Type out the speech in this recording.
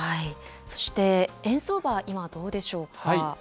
そして円相場、今、どうでしょうか。